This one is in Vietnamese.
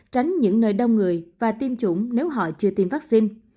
tránh những nơi đông người và tiêm chủng nếu họ chưa tiêm vaccine